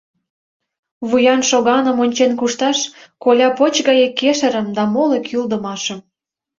— Вуян шоганым ончен кушташ, коля поч гае кешырым да моло кӱлдымашым.